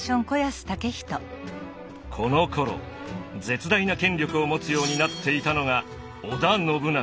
このころ絶大な権力を持つようになっていたのが織田信長。